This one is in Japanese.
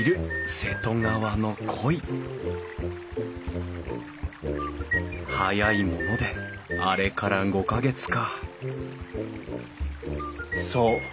瀬戸川のこい早いものであれから５か月かそう。